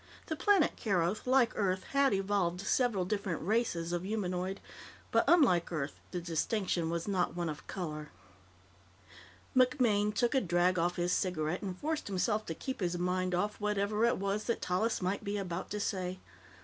The planet Keroth, like Earth, had evolved several different "races" of humanoid, but, unlike Earth, the distinction was not one of color. MacMaine took a drag off his cigarette and forced himself to keep his mind off whatever it was that Tallis might be about to say.